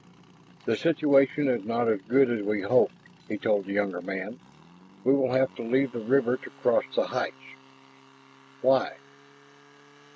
"The situation is not as good as we hoped," he told the younger man. "Well have to leave the river to cross the heights." "Why?"